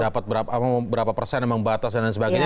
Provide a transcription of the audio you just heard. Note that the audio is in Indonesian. dapat berapa persen memang batas dan sebagainya